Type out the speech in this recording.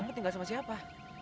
kamu tinggal sama siapa